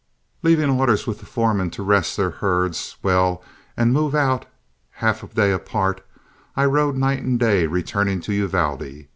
Leaving orders with the foremen to rest their herds well and move out half a day apart, I rode night and day returning to Uvalde.